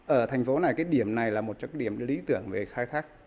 ở thành phố này cái điểm này là một trong những điểm lý tưởng về khai thác